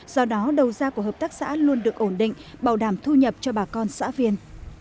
do đó đầu gia của hợp tác xã luôn được ổn định bảo đảm thu nhập cho bà con xã viên